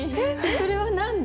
それは何で？